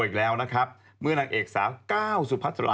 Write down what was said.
จับพื้อเลย